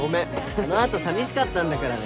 あの後寂しかったんだからね。